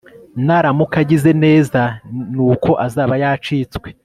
naramuka agize neza, ni uko azaba yacitswe